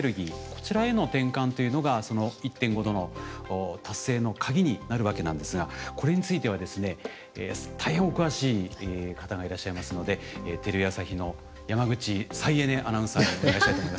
こちらへの転換というのがその１．５℃の達成のカギになるわけなんですがこれについてはですね大変お詳しい方がいらっしゃいますのでテレビ朝日の山口再エネアナウンサーにお願いしたいと思います。